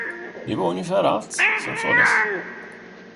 Det var ungefär allt, som sades.